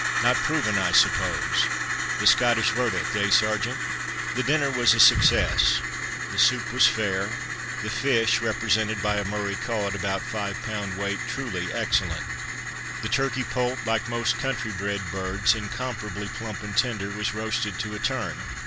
"Not proven, I suppose—the Scottish verdict, eh! Sergeant?" The dinner was a success. The soup was fair. The fish represented by a Murray cod, about five pound weight, truly excellent. The turkey poult, like most country bred birds, incomparably plump and tender, was roasted to a turn.